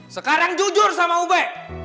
sekarang jujur sama ube